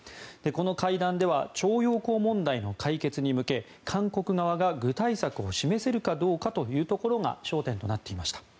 この会談では徴用工問題の解決に向け韓国側が具体策を示せるかどうかというところが焦点となっていました。